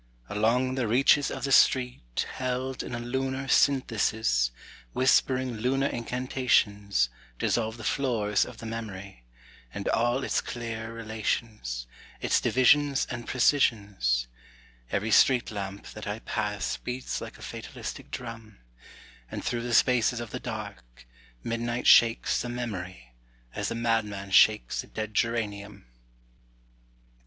Along the reaches of the street Held in a lunar synthesis, Whispering lunar incantations Dissolve the floors of the memory And all its clear relations, Its divisions and precisions, Every street lamp that I pass Beats like a fatalistic drum, And through the spaces of the dark Midnight shakes the memory As a madman shakes a dead geranium.